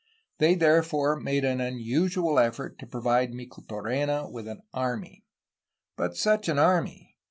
They there fore made an unusual effort to provide Micheltorena with an army. But such an army!